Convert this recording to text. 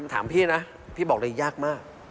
ถามพี่นะพี่บอกเลยยากมาก